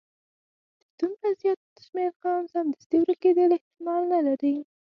د دومره زیات شمیر قوم سمدستي ورکیدل احتمال نه لري.